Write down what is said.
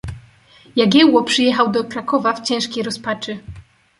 "Jagiełło przyjechał do Krakowa w ciężkiej rozpaczy."